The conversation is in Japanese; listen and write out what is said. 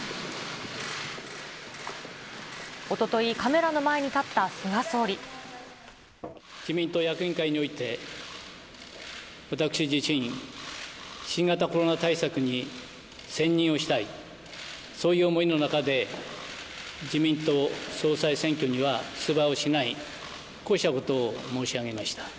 おととい、自民党役員会において、私自身、新型コロナ対策に専念をしたい、そういう思いの中で、自民党総裁選挙には出馬をしない、こうしたことを申し上げました。